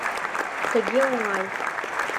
Тыге оҥай.